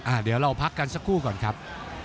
เดี๋ยวเราพักกันสักครู่ก่อนครับ